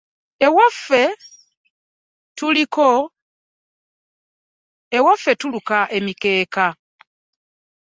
Ewaffe tuluka emikeeka.